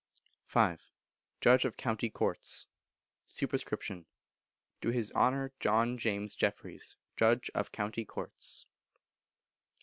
v. Judge of County Courts. Sup. To His Honour John James Jeffreys, Judge of County Courts.